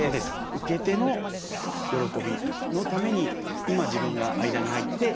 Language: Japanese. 受け手の喜びのために今自分が間に入って何ができるかな。